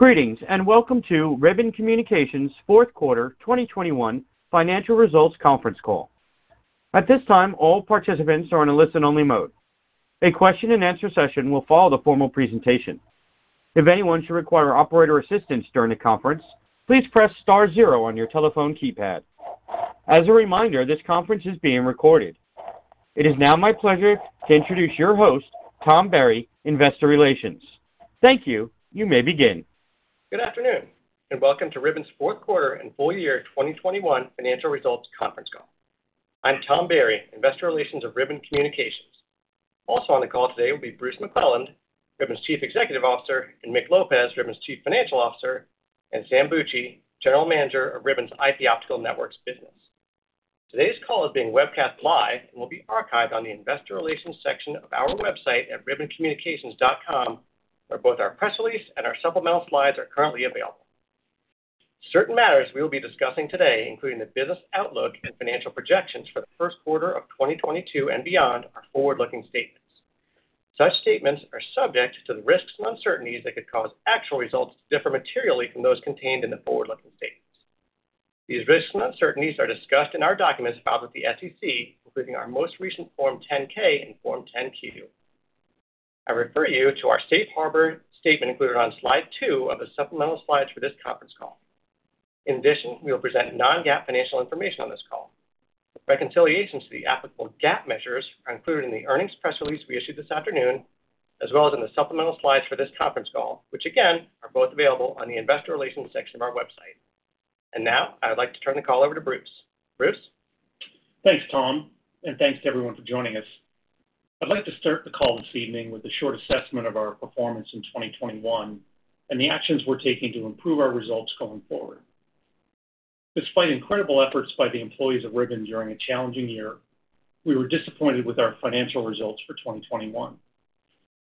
Greetings, and welcome to Ribbon Communications' fourth quarter 2021 financial results conference call. At this time, all participants are in a listen-only mode. A question and answer session will follow the formal presentation. If anyone should require operator assistance during the conference, please press star zero on your telephone keypad. As a reminder, this conference is being recorded. It is now my pleasure to introduce your host, Tom Berry, Investor Relations. Thank you. You may begin. Good afternoon, and welcome to Ribbon's fourth quarter and full year 2021 financial results conference call. I'm Tom Berry, Investor Relations of Ribbon Communications. Also on the call today will be Bruce McClelland, Ribbon's Chief Executive Officer, and Mick Lopez, Ribbon's Chief Financial Officer, and Sam Bucci, General Manager of Ribbon's IP Optical Networks business. Today's call is being webcast live and will be archived on the investor relations section of our website at ribboncommunications.com, where both our press release and our supplemental slides are currently available. Certain matters we will be discussing today, including the business outlook and financial projections for the first quarter of 2022 and beyond, are forward-looking statements. Such statements are subject to the risks and uncertainties that could cause actual results to differ materially from those contained in the forward-looking statements. These risks and uncertainties are discussed in our documents filed with the SEC, including our most recent Form 10-K and Form 10-Q. I refer you to our safe harbor statement included on slide two of the supplemental slides for this conference call. In addition, we will present non-GAAP financial information on this call. Reconciliations to the applicable GAAP measures are included in the earnings press release we issued this afternoon, as well as in the supplemental slides for this conference call, which again, are both available on the investor relations section of our website. Now, I'd like to turn the call over to Bruce. Bruce? Thanks, Tom, and thanks to everyone for joining us. I'd like to start the call this evening with a short assessment of our performance in 2021 and the actions we're taking to improve our results going forward. Despite incredible efforts by the employees of Ribbon during a challenging year, we were disappointed with our financial results for 2021.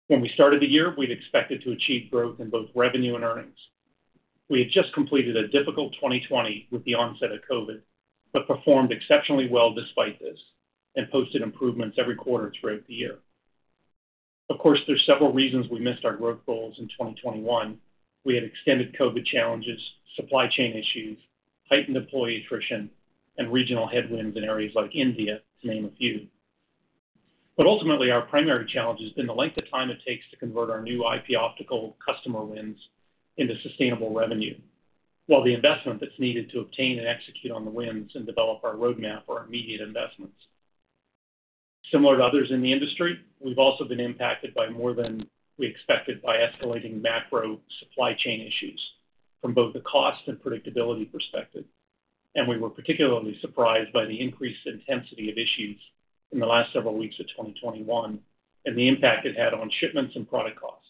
When we started the year, we'd expected to achieve growth in both revenue and earnings. We had just completed a difficult 2020 with the onset of COVID, but performed exceptionally well despite this and posted improvements every quarter throughout the year. Of course, there's several reasons we missed our growth goals in 2021. We had extended COVID challenges, supply chain issues, heightened employee attrition, and regional headwinds in areas like India, to name a few. Ultimately, our primary challenge has been the length of time it takes to convert our new IP optical customer wins into sustainable revenue, while the investment that's needed to obtain and execute on the wins and develop our roadmap are immediate investments. Similar to others in the industry, we've also been impacted by more than we expected by escalating macro supply chain issues from both a cost and predictability perspective. We were particularly surprised by the increased intensity of issues in the last several weeks of 2021 and the impact it had on shipments and product costs.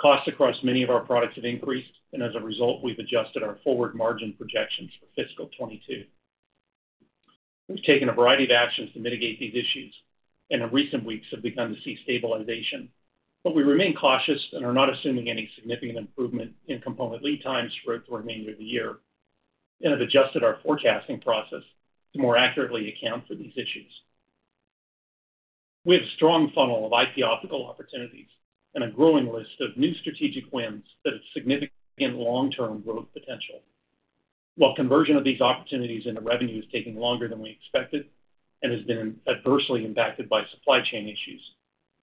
Costs across many of our products have increased, and as a result, we've adjusted our forward margin projections for fiscal 2022. We've taken a variety of actions to mitigate these issues, and in recent weeks have begun to see stabilization. We remain cautious and are not assuming any significant improvement in component lead times throughout the remainder of the year, and have adjusted our forecasting process to more accurately account for these issues. We have a strong funnel of IP optical opportunities and a growing list of new strategic wins that have significant long-term growth potential. While conversion of these opportunities into revenue is taking longer than we expected and has been adversely impacted by supply chain issues,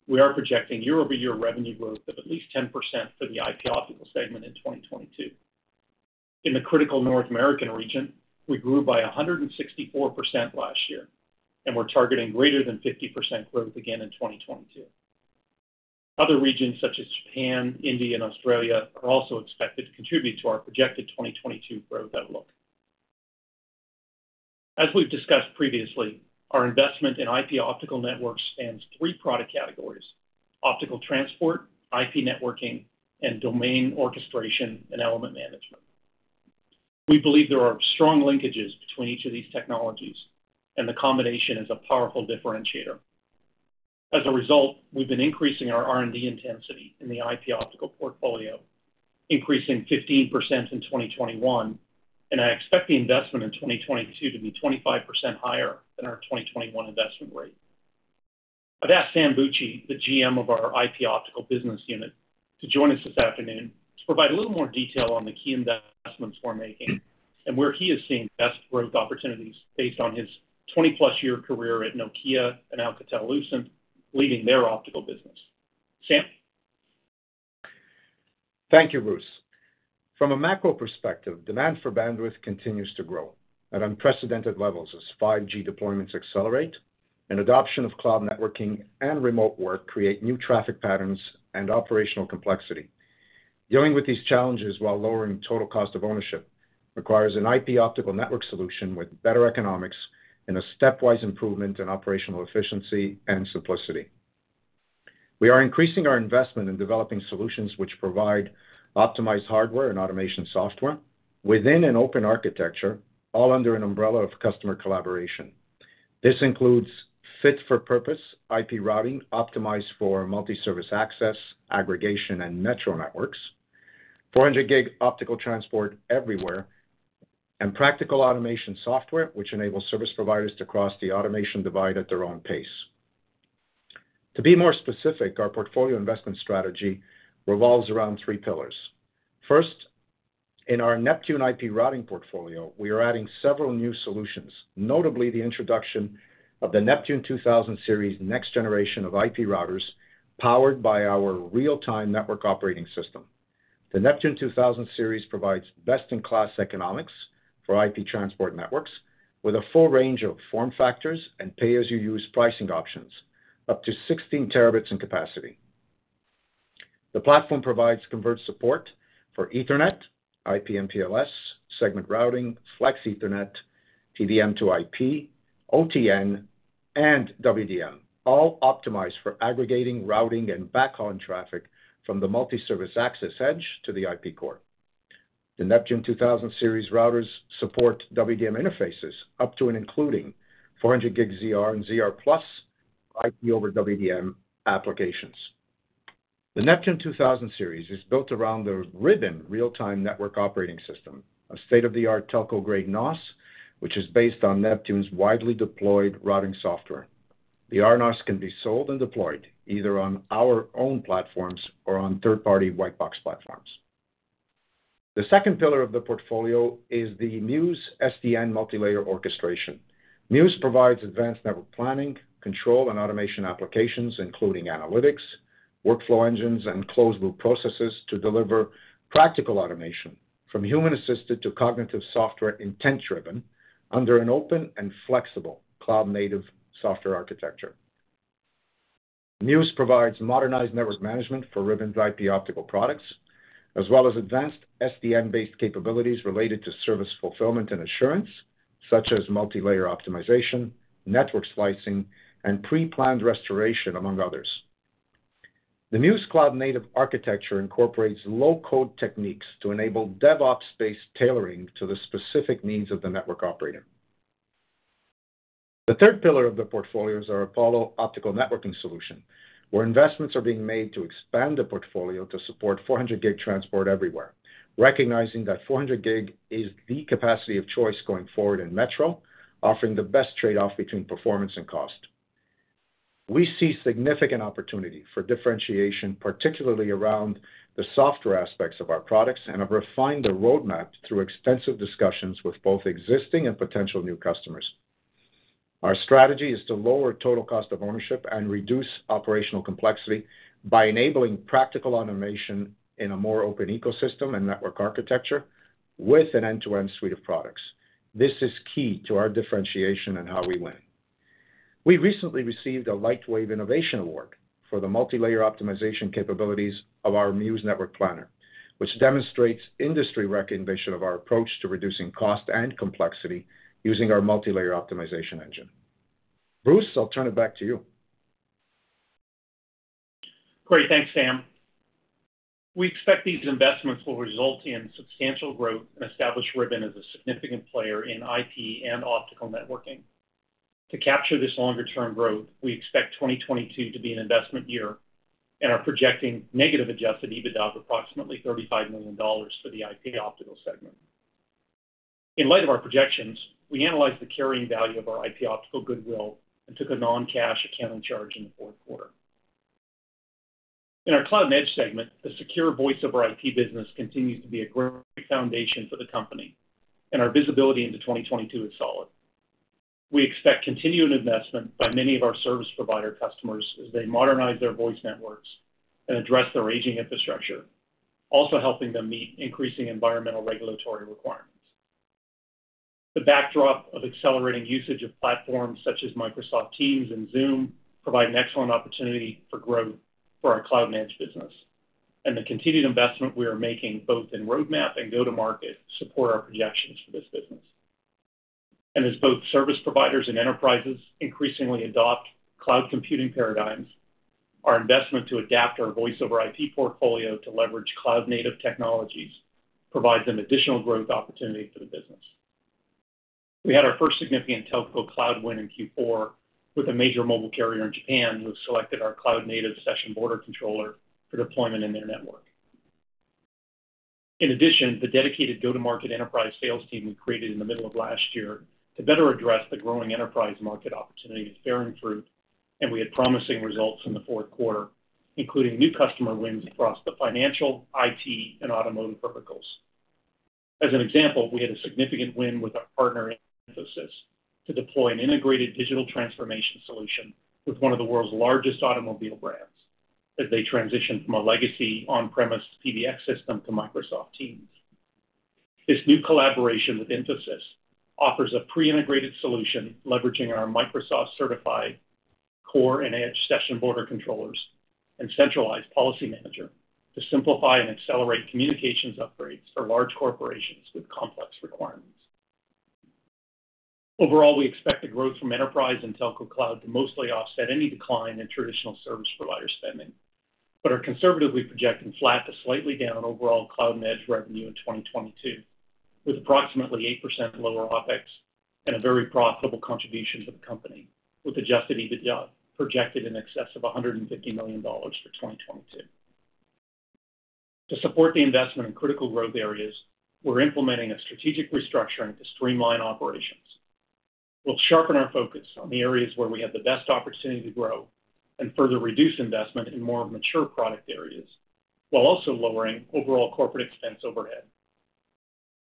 we are projecting year-over-year revenue growth of at least 10% for the IP optical segment in 2022. In the critical North American region, we grew by 164% last year, and we're targeting greater than 50% growth again in 2022. Other regions such as Japan, India, and Australia are also expected to contribute to our projected 2022 growth outlook. As we've discussed previously, our investment in IP Optical Networks spans three product categories: optical transport, IP networking, and domain orchestration and element management. We believe there are strong linkages between each of these technologies, and the combination is a powerful differentiator. As a result, we've been increasing our R&D intensity in the IP optical portfolio, increasing 15% in 2021, and I expect the investment in 2022 to be 25% higher than our 2021 investment rate. I've asked Sam Bucci, the GM of our IP Optical Networks business unit, to join us this afternoon to provide a little more detail on the key investments we're making and where he is seeing the best growth opportunities based on his 20+-year career at Nokia and Alcatel-Lucent leading their optical business. Sam? Thank you, Bruce. From a macro perspective, demand for bandwidth continues to grow at unprecedented levels as 5G deployments accelerate and adoption of cloud networking and remote work create new traffic patterns and operational complexity. Dealing with these challenges while lowering total cost of ownership requires an IP optical network solution with better economics and a stepwise improvement in operational efficiency and simplicity. We are increasing our investment in developing solutions which provide optimized hardware and automation software within an open architecture, all under an umbrella of customer collaboration. This includes fit-for-purpose IP routing optimized for multi-service access, aggregation, and metro networks, 400 G optical transport everywhere, and practical automation software which enables service providers to cross the automation divide at their own pace. To be more specific, our portfolio investment strategy revolves around three pillars. First, in our Neptune IP routing portfolio, we are adding several new solutions, notably the introduction of the Neptune 2000 series, next-generation of IP routers, powered by our real-time network operating system. The Neptune 2000 series provides best-in-class economics for IP transport networks with a full range of form factors and pay-as-you-use pricing options, up to 16 Tb in capacity. The platform provides converged support for Ethernet, IP MPLS, segment routing, Flex Ethernet, TDM to IP, OTN, and WDM, all optimized for aggregating, routing, and backhaul traffic from the multi-service access edge to the IP core. The Neptune 2000 series routers support WDM interfaces up to and including 400 G ZR and ZR+ IP over WDM applications. The Neptune 2000 series is built around the Ribbon real-time network operating system, a state-of-the-art telco-grade NOS, which is based on Neptune's widely deployed routing software. The rNOS can be sold and deployed either on our own platforms or on third-party white box platforms. The second pillar of the portfolio is the Muse SDN multilayer orchestration. Muse provides advanced network planning, control, and automation applications, including analytics, workflow engines, and closed loop processes to deliver practical automation from human-assisted to cognitive software intent-driven under an open and flexible cloud-native software architecture. Muse provides modernized network management for Ribbon's IP optical products, as well as advanced SDN-based capabilities related to service fulfillment and assurance, such as multilayer optimization, network slicing, and pre-planned restoration, among others. The Muse cloud-native architecture incorporates low-code techniques to enable DevOps-based tailoring to the specific needs of the network operator. The third pillar of the portfolio is our Apollo optical networking solution, where investments are being made to expand the portfolio to support 400 G transport everywhere. Recognizing that 400 G is the capacity of choice going forward in Metro, offering the best trade-off between performance and cost. We see significant opportunity for differentiation, particularly around the software aspects of our products, and have refined the roadmap through extensive discussions with both existing and potential new customers. Our strategy is to lower total cost of ownership and reduce operational complexity by enabling practical automation in a more open ecosystem and network architecture with an end-to-end suite of products. This is key to our differentiation and how we win. We recently received a Lightwave Innovation Award for the multilayer optimization capabilities of our Muse network planner, which demonstrates industry recognition of our approach to reducing cost and complexity using our multilayer optimization engine. Bruce, I'll turn it back to you. Great. Thanks, Sam. We expect these investments will result in substantial growth and establish Ribbon as a significant player in IP and optical networking. To capture this longer-term growth, we expect 2022 to be an investment year and are projecting negative Adjusted EBITDA of approximately $35 million for the IP Optical segment. In light of our projections, we analyzed the carrying value of our IP Optical goodwill and took a non-cash accounting charge in the fourth quarter. In our Cloud & Edge segment, the secure voice over IP business continues to be a great foundation for the company, and our visibility into 2022 is solid. We expect continued investment by many of our service provider customers as they modernize their voice networks and address their aging infrastructure, also helping them meet increasing environmental regulatory requirements. The backdrop of accelerating usage of platforms such as Microsoft Teams and Zoom provide an excellent opportunity for growth for our cloud managed business. The continued investment we are making both in roadmap and go-to-market support our projections for this business. As both service providers and enterprises increasingly adopt cloud computing paradigms, our investment to adapt our voice over IP portfolio to leverage cloud-native technologies provides an additional growth opportunity for the business. We had our first significant telco cloud win in Q4 with a major mobile carrier in Japan who selected our cloud-native Session Border Controller for deployment in their network. In addition, the dedicated go-to-market enterprise sales team we created in the middle of last year to better address the growing enterprise market opportunity is bearing fruit, and we had promising results in the fourth quarter, including new customer wins across the financial, IT, and automotive verticals. As an example, we had a significant win with our partner, Infosys, to deploy an integrated digital transformation solution with one of the world's largest automobile brands as they transition from a legacy on-premise PBX system to Microsoft Teams. This new collaboration with Infosys offers a pre-integrated solution leveraging our Microsoft certified core and edge session border controllers and centralized policy manager to simplify and accelerate communications upgrades for large corporations with complex requirements. Overall, we expect the growth from enterprise and telco cloud to mostly offset any decline in traditional service provider spending, but are conservatively projecting flat to slightly down overall Cloud & Edge revenue in 2022, with approximately 8% lower OpEx and a very profitable contribution to the company, with Adjusted EBITDA projected in excess of $150 million for 2022. To support the investment in critical growth areas, we're implementing a strategic restructuring to streamline operations. We'll sharpen our focus on the areas where we have the best opportunity to grow and further reduce investment in more mature product areas while also lowering overall corporate expense overhead.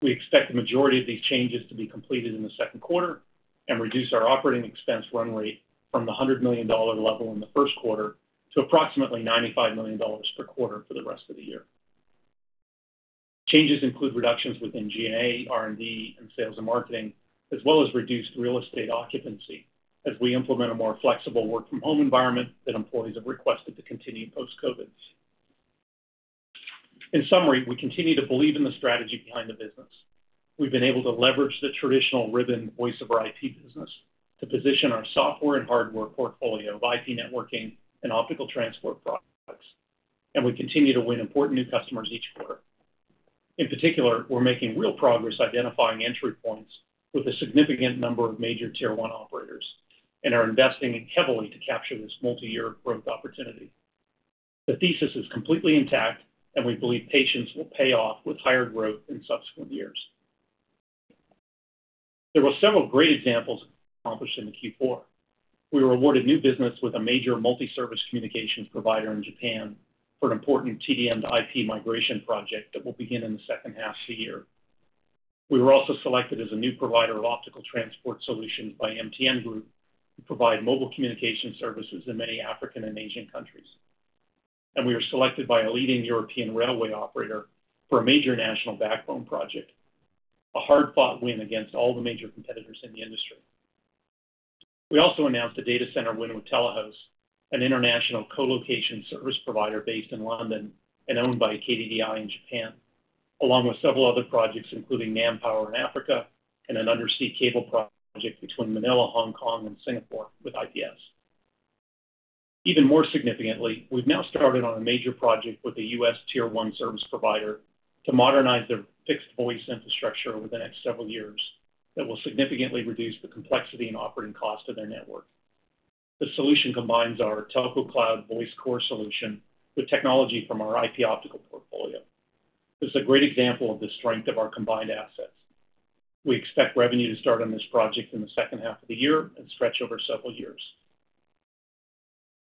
We expect the majority of these changes to be completed in the second quarter and reduce our operating expense run rate from the $100 million level in the first quarter to approximately $95 million per quarter for the rest of the year. Changes include reductions within G&A, R&D, and sales and marketing, as well as reduced real estate occupancy as we implement a more flexible work-from-home environment that employees have requested to continue post-COVID. In summary, we continue to believe in the strategy behind the business. We've been able to leverage the traditional Ribbon voice-over IP business to position our software and hardware portfolio of IP networking and optical transport products, and we continue to win important new customers each quarter. In particular, we're making real progress identifying entry points with a significant number of major tier one operators and are investing heavily in to capture this multi-year growth opportunity. The thesis is completely intact, and we believe patience will pay off with higher growth in subsequent years. There were several great examples accomplished in Q4. We were awarded new business with a major multi-service communications provider in Japan for an important TDM-to-IP migration project that will begin in the second half of the year. We were also selected as a new provider of optical transport solutions by MTN Group to provide mobile communication services in many African and Asian countries. We were selected by a leading European railway operator for a major national backbone project, a hard-fought win against all the major competitors in the industry. We also announced a data center win with Telehouse, an international co-location service provider based in London and owned by KDDI in Japan, along with several other projects, including MainOne in Africa and an undersea cable project between Manila, Hong Kong, and Singapore with IPS. Even more significantly, we've now started on a major project with the U.S. tier one service provider to modernize their fixed voice infrastructure over the next several years that will significantly reduce the complexity and operating cost of their network. The solution combines our Telco Cloud Voice Core solution with technology from our IP Optical portfolio. This is a great example of the strength of our combined assets. We expect revenue to start on this project in the second half of the year and stretch over several years.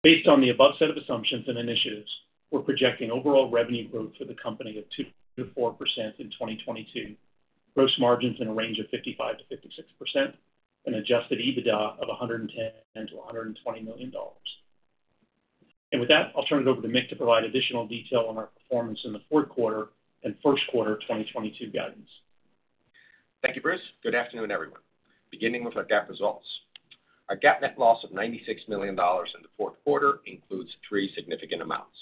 Based on the above set of assumptions and initiatives, we're projecting overall revenue growth for the company of 2%-4% in 2022, gross margins in a range of 55%-56%, and Adjusted EBITDA of $110 million-$120 million. With that, I'll turn it over to Mick to provide additional detail on our performance in the fourth quarter and first quarter of 2022 guidance. Thank you, Bruce. Good afternoon, everyone. Beginning with our GAAP results. Our GAAP net loss of $96 million in the fourth quarter includes three significant amounts.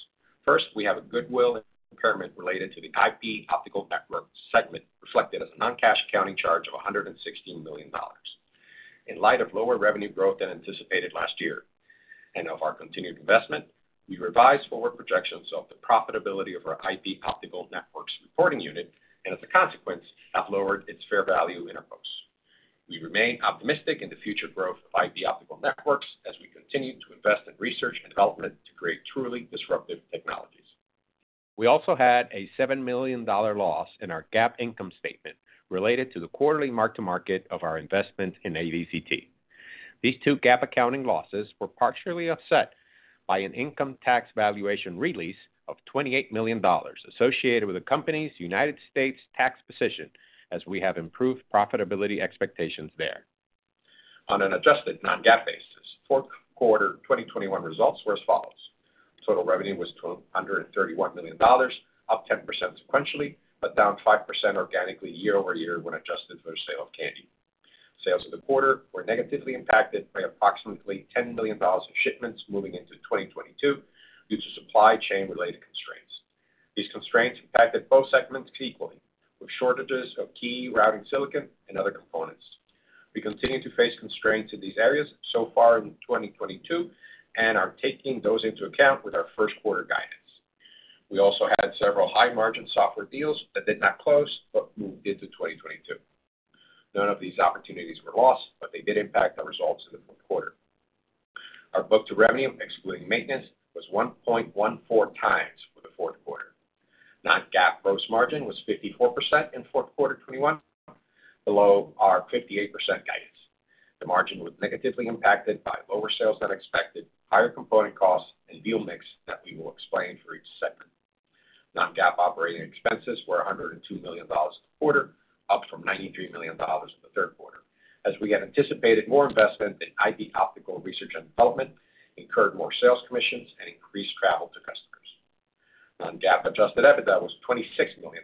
First, we have a goodwill impairment related to the IP Optical Networks segment, reflected as a non-cash accounting charge of $116 million. In light of lower revenue growth than anticipated last year and of our continued investment, we revised forward projections of the profitability of our IP Optical Networks reporting unit and as a consequence, have lowered its fair value in our books. We remain optimistic in the future growth of IP Optical Networks as we continue to invest in research and development to create truly disruptive technologies. We also had a $7 million loss in our GAAP income statement related to the quarterly mark-to-market of our investment in AVCT. These two GAAP accounting losses were partially offset by an income tax valuation release of $28 million associated with the company's United States tax position as we have improved profitability expectations there. On an adjusted non-GAAP basis, fourth quarter 2021 results were as follows: Total revenue was $231 million, up 10% sequentially, but down 5% organically year-over-year when adjusted for the sale of Kandy. Sales in the quarter were negatively impacted by approximately $10 million of shipments moving into 2022 due to supply chain-related constraints. These constraints impacted both segments equally with shortages of key routing silicon and other components. We continue to face constraints in these areas so far in 2022 and are taking those into account with our first quarter guidance. We also had several high-margin software deals that did not close but moved into 2022. None of these opportunities were lost, but they did impact our results in the fourth quarter. Our book-to-revenue, excluding maintenance, was 1.14x for the fourth quarter. Non-GAAP gross margin was 54% in fourth quarter 2021, below our 58% guidance. The margin was negatively impacted by lower sales than expected, higher component costs, and deal mix that we will explain for each segment. Non-GAAP operating expenses were $102 million a quarter, up from $93 million in the third quarter, as we had anticipated more investment in IP optical research and development, incurred more sales commissions, and increased travel to customers. Non-GAAP Adjusted EBITDA was $26 million,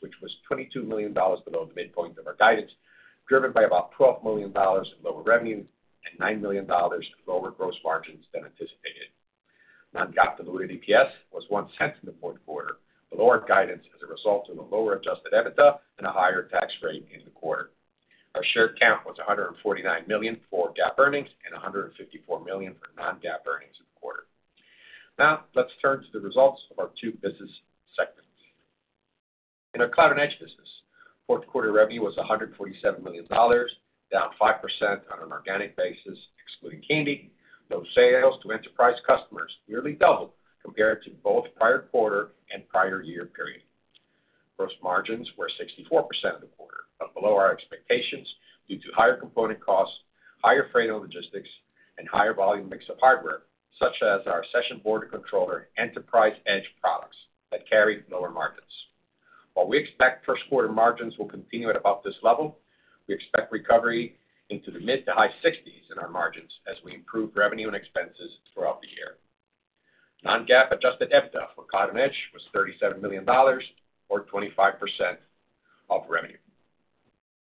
which was $22 million below the midpoint of our guidance, driven by about $12 million in lower revenue and $9 million in lower gross margins than anticipated. Non-GAAP diluted EPS was $0.01 in the fourth quarter, below our guidance as a result of a lower Adjusted EBITDA and a higher tax rate in the quarter. Our share count was 149 million for GAAP earnings and 154 million for non-GAAP earnings in the quarter. Now let's turn to the results of our two business segments. In our Cloud & Edge business, fourth quarter revenue was $147 million, down 5% on an organic basis excluding Kandy. Those sales to enterprise customers nearly doubled compared to both prior quarter and prior year period. Gross margins were 64% in the quarter, but below our expectations due to higher component costs, higher freight and logistics, and higher volume mix of hardware such as our Session Border Controller enterprise edge products that carry lower margins. While we expect first quarter margins will continue at about this level, we expect recovery into the mid-to high-60s in our margins as we improve revenue and expenses throughout the year. Non-GAAP adjusted EBITDA for Cloud & Edge was $37 million, or 25% of revenue.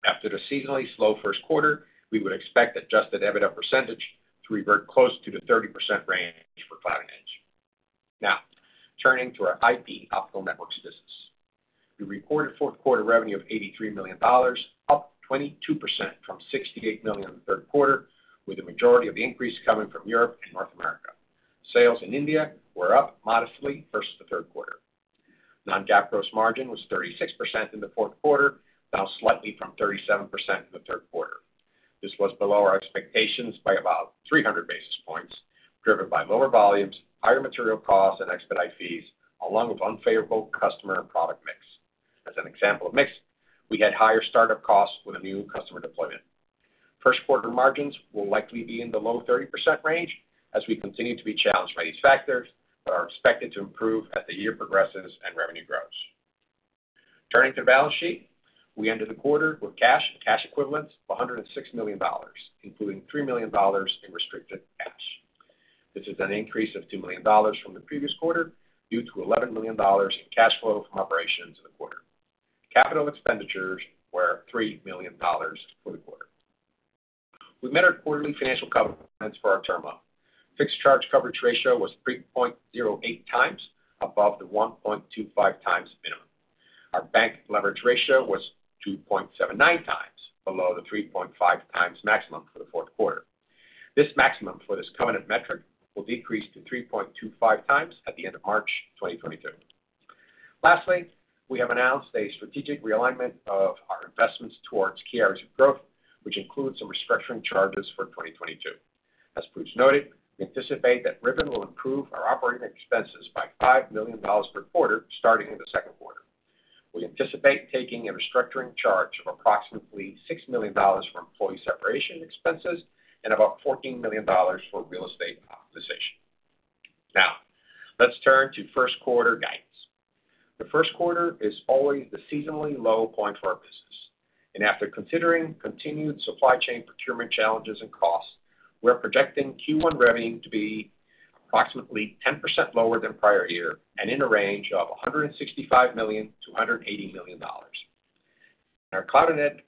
After the seasonally slow first quarter, we would expect adjusted EBITDA percentage to revert close to the 30% range for Cloud & Edge. Now, turning to our IP Optical Networks business. We reported fourth quarter revenue of $83 million, up 22% from $68 million in the third quarter, with the majority of the increase coming from Europe and North America. Sales in India were up modestly versus the third quarter. Non-GAAP gross margin was 36% in the fourth quarter, down slightly from 37% in the third quarter. This was below our expectations by about 300 basis points, driven by lower volumes, higher material costs, and expedite fees, along with unfavorable customer and product mix. As an example of mix, we had higher startup costs with a new customer deployment. First quarter margins will likely be in the low 30% range as we continue to be challenged by these factors, but are expected to improve as the year progresses and revenue grows. Turning to the balance sheet. We ended the quarter with cash and cash equivalents of $106 million, including $3 million in restricted cash. This is an increase of $2 million from the previous quarter, due to $11 million in cash flow from operations in the quarter. Capital expenditures were $3 million for the quarter. We met our quarterly financial covenants for our term loan. Fixed charge coverage ratio was 3.08x above the 1.25x minimum. Our bank leverage ratio was 2.79x below the 3.5x maximum for the fourth quarter. This maximum for this covenant metric will decrease to 3.25x at the end of March 2022. Lastly, we have announced a strategic realignment of our investments towards key areas of growth, which includes some restructuring charges for 2022. As Bruce noted, we anticipate that Ribbon will improve our operating expenses by $5 million per quarter, starting in the second quarter. We anticipate taking a restructuring charge of approximately $6 million for employee separation expenses and about $14 million for real estate optimization. Now, let's turn to first quarter guidance. The first quarter is always the seasonally low point for our business, and after considering continued supply chain procurement challenges and costs, we're projecting Q1 revenue to be approximately 10% lower than prior year and in a range of $165 million-$180 million. In our Cloud & Edge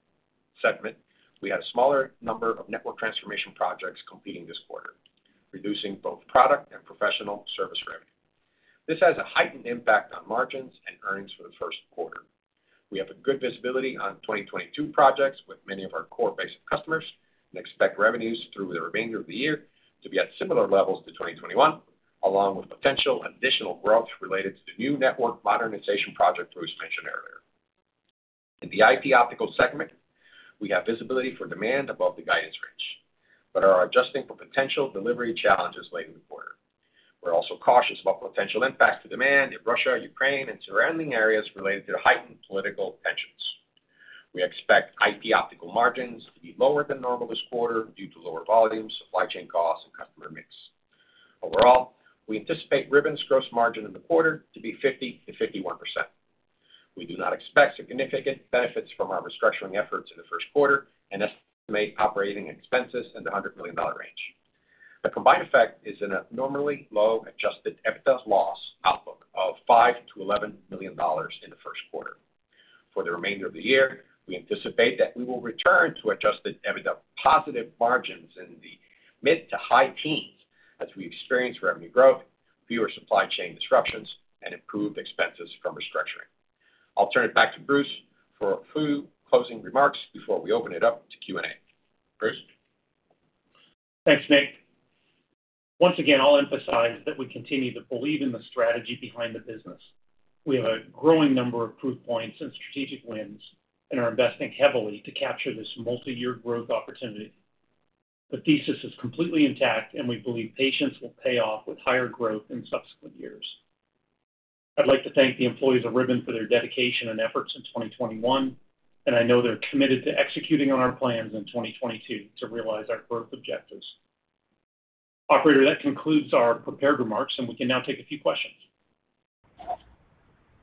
segment, we had a smaller number of network transformation projects completing this quarter, reducing both product and professional service revenue. This has a heightened impact on margins and earnings for the first quarter. We have good visibility on 2022 projects with many of our core base of customers and expect revenues through the remainder of the year to be at similar levels to 2021, along with potential additional growth related to the new network modernization project Bruce mentioned earlier. In the IP Optical segment, we have visibility for demand above the guidance range, but are adjusting for potential delivery challenges late in the quarter. We're also cautious about potential impacts to demand in Russia, Ukraine, and surrounding areas related to heightened political tensions. We expect IP Optical margins to be lower than normal this quarter due to lower volumes, supply chain costs, and customer mix. Overall, we anticipate Ribbon's gross margin in the quarter to be 50%-51%. We do not expect significant benefits from our restructuring efforts in the first quarter and estimate operating expenses in the $100 million range. The combined effect is an abnormally low Adjusted EBITDA loss outlook of $5 million-$11 million in the first quarter. For the remainder of the year, we anticipate that we will return to Adjusted EBITDA-positive margins in the mid- to high-teens% as we experience revenue growth, fewer supply chain disruptions, and improved expenses from restructuring. I'll turn it back to Bruce for a few closing remarks before we open it up to Q&A. Bruce? Thanks, Mick. Once again, I'll emphasize that we continue to believe in the strategy behind the business. We have a growing number of proof points and strategic wins and are investing heavily to capture this multi-year growth opportunity. The thesis is completely intact, and we believe patience will pay off with higher growth in subsequent years. I'd like to thank the employees of Ribbon for their dedication and efforts in 2021, and I know they're committed to executing on our plans in 2022 to realize our growth objectives. Operator, that concludes our prepared remarks, and we can now take a few questions.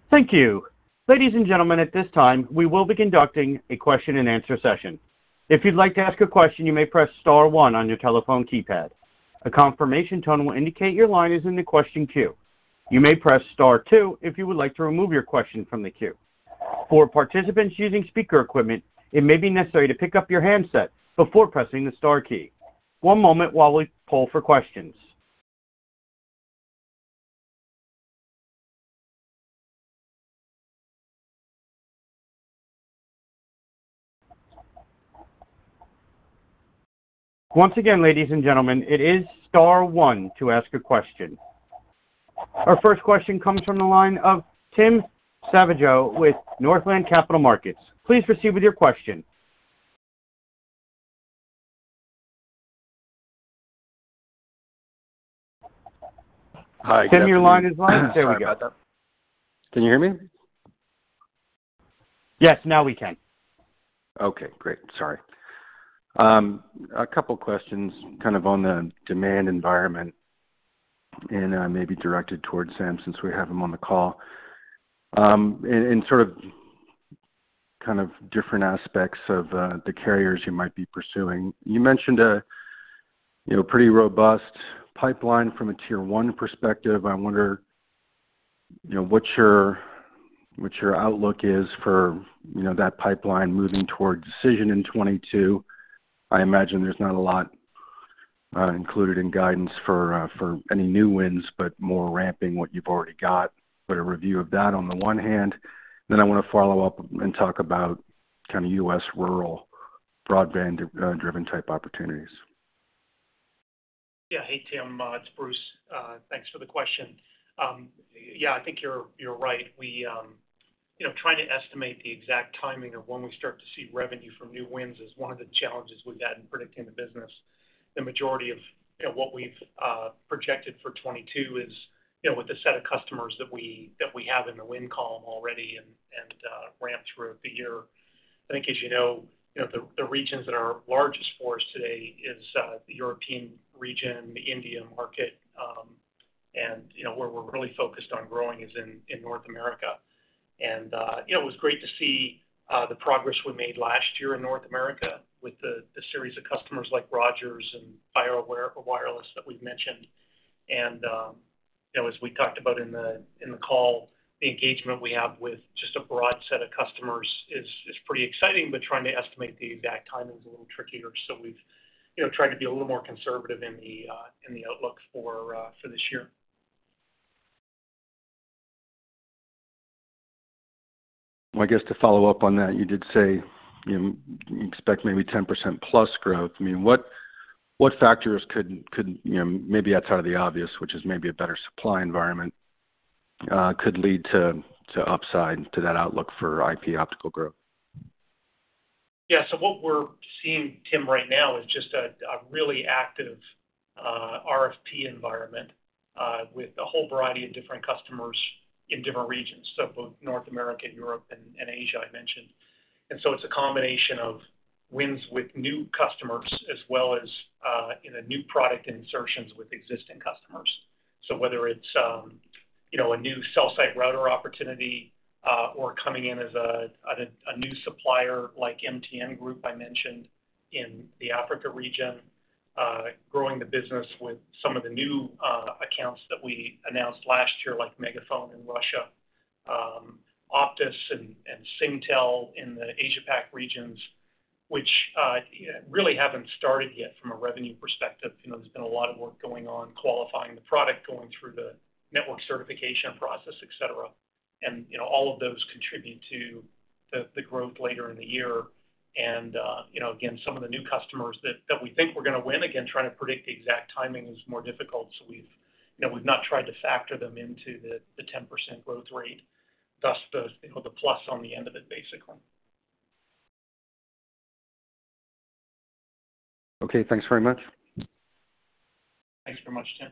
Thank you. Ladies and gentlemen, at this time, we will be conducting a question-and-answer session. If you'd like to ask a question, you may press star one on your telephone keypad. A confirmation tone will indicate your line is in the question queue. You may press star two if you would like to remove your question from the queue. For participants using speaker equipment, it may be necessary to pick up your handset before pressing the star key. One moment while we poll for questions. Once again, ladies and gentlemen, it is star one to ask a question. Our first question comes from the line of Tim Savageaux with Northland Capital Markets. Please proceed with your question. Hi. Tim, your line is live. There we go. Sorry about that. Can you hear me? Yes, now we can. Okay, great. Sorry. A couple questions kind of on the demand environment and, maybe directed towards Sam, since we have him on the call. And sort of, kind of different aspects of, the carriers you might be pursuing. You mentioned a, you know, pretty robust pipeline from a Tier 1 perspective. I wonder, you know, what your outlook is for, you know, that pipeline moving towards decision in 2022. I imagine there's not a lot, included in guidance for any new wins, but more ramping what you've already got. A review of that on the one hand, then I wanna follow up and talk about kind of U.S. rural broadband driven type opportunities. Yeah. Hey, Tim. It's Bruce. Thanks for the question. Yeah, I think you're right. You know, trying to estimate the exact timing of when we start to see revenue from new wins is one of the challenges we've had in predicting the business. The majority of, you know, what we've projected for 2022 is, you know, with the set of customers that we have in the win column already and ramped throughout the year. I think, as you know, you know, the regions that are largest for us today is the European region, the India market, and, you know, where we're really focused on growing is in North America. It was great to see the progress we made last year in North America with the series of customers like Rogers and FirstNet that we've mentioned. You know, as we talked about in the call, the engagement we have with just a broad set of customers is pretty exciting, but trying to estimate the exact timing is a little trickier. We've you know, tried to be a little more conservative in the outlook for this year. I guess to follow up on that, you did say you expect maybe 10%+ growth. I mean, what factors could, you know, maybe outside of the obvious, which is maybe a better supply environment, could lead to upside to that outlook for IP optical growth? Yeah. What we're seeing, Tim, right now is just a really active RFP environment with a whole variety of different customers in different regions. Both North America and Europe and Asia, I mentioned. It's a combination of wins with new customers as well as you know, new product insertions with existing customers. Whether it's you know, a new cell site router opportunity or coming in as a new supplier like MTN Group I mentioned in the Africa region, growing the business with some of the new accounts that we announced last year, like MegaFon in Russia, Optus and Singtel in the Asia Pac regions, which really haven't started yet from a revenue perspective. You know, there's been a lot of work going on qualifying the product, going through the network certification process, et cetera. You know, all of those contribute to the growth later in the year. You know, again, some of the new customers that we think we're gonna win, again, trying to predict the exact timing is more difficult. We've, you know, not tried to factor them into the 10% growth rate, thus the, you know, the plus on the end of it, basically. Okay, thanks very much. Thanks very much, Tim.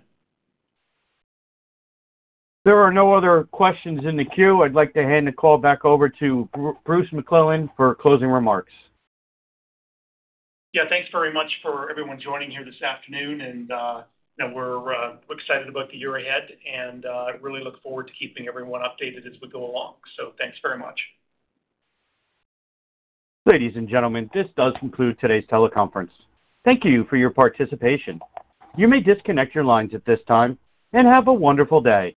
There are no other questions in the queue. I'd like to hand the call back over to Bruce McClelland for closing remarks. Yeah. Thanks very much for everyone joining here this afternoon. You know, we're excited about the year ahead and really look forward to keeping everyone updated as we go along. Thanks very much. Ladies and gentlemen, this does conclude today's teleconference. Thank you for your participation. You may disconnect your lines at this time, and have a wonderful day.